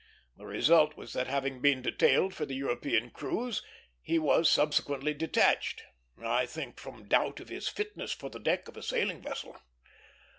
The result was that, having been detailed for the European cruise, he was subsequently detached; I think from doubt of his fitness for the deck of a sailing vessel.